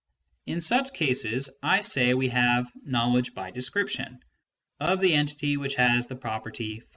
In such cases, I say we have "knowledge by description " of the entity which has the property <^.